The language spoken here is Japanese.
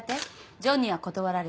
ジョンには断られた。